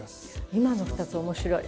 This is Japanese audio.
今の２つ面白い。